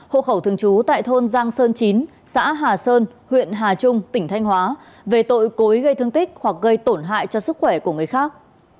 hộ khẩu thường trú tại thôn giang sơn chín xã hà sơn huyện hà trung tỉnh thanh hóa về tội cối gây thương tích hoặc gây tổn hại cho sức khỏe của người khác